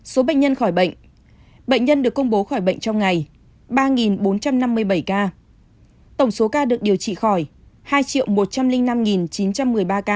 số bệnh nhân khỏi bệnh bệnh nhân được công bố khỏi bệnh trong ngày ba bốn trăm năm mươi bảy ca tổng số ca được điều trị khỏi hai một trăm linh năm chín trăm một mươi ba ca